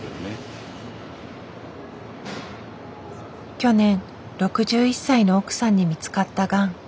去年６１歳の奥さんに見つかったがん。